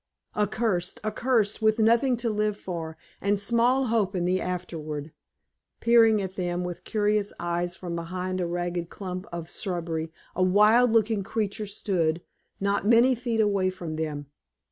Accursed, accursed, with nothing to live for, and small hope in the afterward! Peering at them with curious eyes from behind a ragged clump of shrubbery, a wild looking creature stood, not many feet away from them.